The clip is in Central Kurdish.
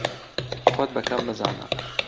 خۆت بە کەم مەزانە.